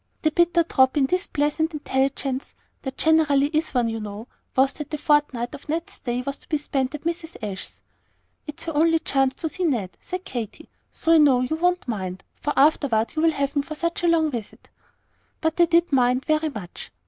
The bitter drop in this pleasant intelligence there generally is one, you know was that the fortnight of Ned's stay was to be spent at Mrs. Ashe's. "It's her only chance to see Ned," said Katy; "so I know you won't mind, for afterward you will have me for such a long visit." But they did mind very much!